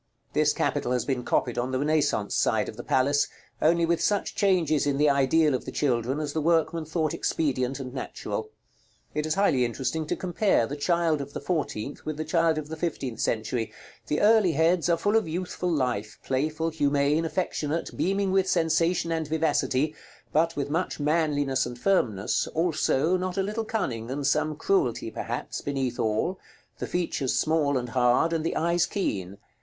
This capital has been copied on the Renaissance side of the palace, only with such changes in the ideal of the children as the workman thought expedient and natural. It is highly interesting to compare the child of the fourteenth with the child of the fifteenth century. The early heads are full of youthful life, playful, humane, affectionate, beaming with sensation and vivacity, but with much manliness and firmness, also, not a little cunning, and some cruelty perhaps, beneath all; the features small and hard, and the eyes keen.